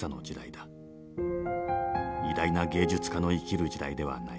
偉大な芸術家の生きる時代ではない。